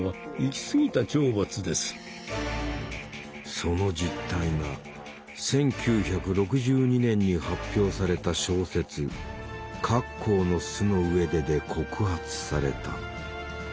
その実態が１９６２年に発表された小説「カッコーの巣の上で」で告発された。